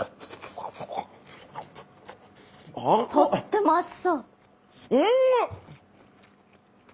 とっても熱そう。